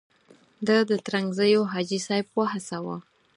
ده د ترنګزیو حاجي صاحب وهڅاوه.